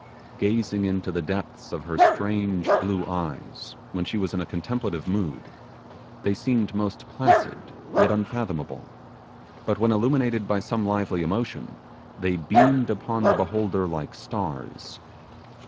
Gazing into the depths of her strange blue eyes, when she was in a contemplative mood, they seemed most placid yet unfathomable; but when illuminated by some lively emotion, they beamed upon the beholder like stars.